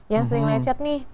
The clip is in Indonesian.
yang sering lecet nih